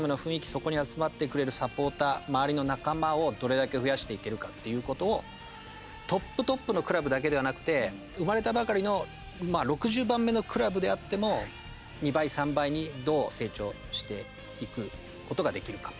そこに集まってくれるサポーター周りの仲間をどれだけ増やしていけるかっていうことをトップトップのクラブだけではなくて生まれたばかりの６０番目のクラブであっても、２倍３倍にどう成長していくことができるか。